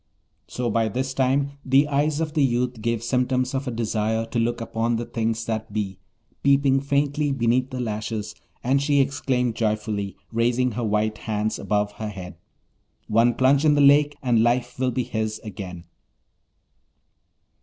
So by this time the eyes of the youth gave symptoms of a desire to look upon the things that be, peeping faintly beneath the lashes, and she exclaimed joyfully, raising her white hands above her head, 'One plunge in the lake, and life will be his again!'